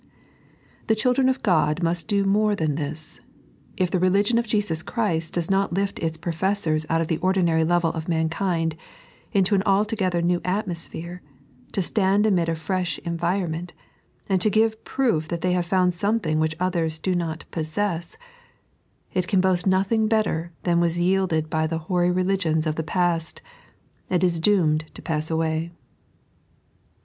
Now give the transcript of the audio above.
The children of Ood must do more than this. If the religion of Jesus Christ does not lift ita professors ont of the ordinary level of mankind, into an altogether new atmo sphere, to stand amid a fresh environment, and to give proof that they have fonnd something which others do not poasess— it can boast nothing better than was yielded by the hoary religions of the past, and is doomed to pass away.